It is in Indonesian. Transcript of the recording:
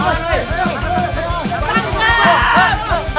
weh lewat situ aja weh